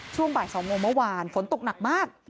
ช่วงบ่าย๒โมงเมื่อวานฝนตกหนักมาก